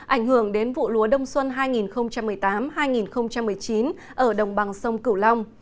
ảnh hưởng đến vụ lúa đông xuân hai nghìn một mươi tám hai nghìn một mươi chín ở đồng bằng sông cửu long